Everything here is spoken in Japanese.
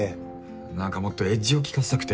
何かもっとエッジを効かせたくて。